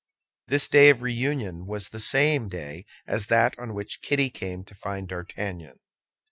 This day of reunion was the same day as that on which Kitty came to find D'Artagnan.